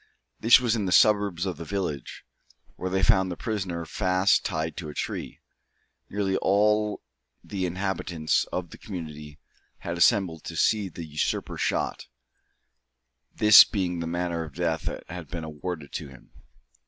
This was in the suburbs of the village, where they found the prisoner fast tied to a tree. Nearly all the inhabitants of the community had assembled to see the usurper shot, this being the manner of death that had been awarded to him.